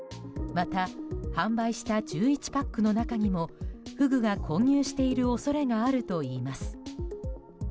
また販売した１１パックの中にもフグが混入している恐れがあるといいます。